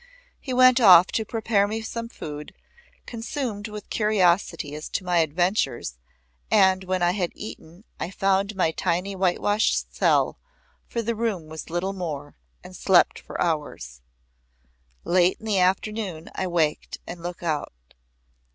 He went off to prepare me some food, consumed with curiosity as to my adventures, and when I had eaten I found my tiny whitewashed cell, for the room was little more, and slept for hours. Late in the afternoon I waked and looked out.